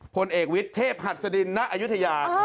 ผลเอกวิทเทภหัดสดิตนะอยุธยาย